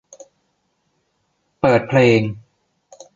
เปิดเพลง